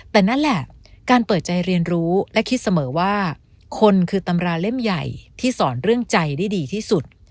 แต่นั่นแหละการเปิดใจเรียนรู้และคิดเสมอว่าคนคือตำราเล่มใหญ่ที่สอนเรื่องใจได้ดีที่สุด